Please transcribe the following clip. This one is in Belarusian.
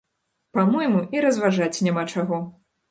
Па-мойму, і разважаць няма чаго!